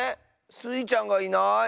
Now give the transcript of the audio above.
スイちゃんがいない。